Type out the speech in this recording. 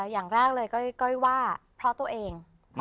อย่างแรกเลยก้อยว่าเพราะตัวเอง